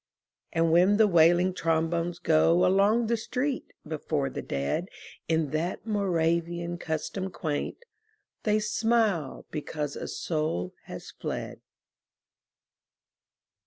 And when the wailing trombones go Along the street before the dead In that Moravian custom quaint, They smile because a soul has fled.